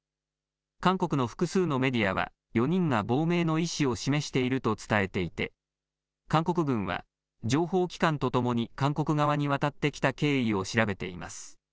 韓国の複数のメディアは、４人が亡命の意思を示していると伝えていて、韓国軍は、情報機関とともに韓国側に渡ってきた経緯を調べています。